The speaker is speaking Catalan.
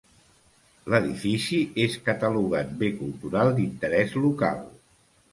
L'edifici és catalogat Bé Cultural d'Interès Local.